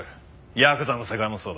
ヤクザの世界もそうだ。